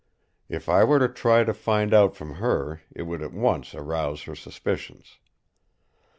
If I were to try to find out from her, it would at once arouse her suspicions.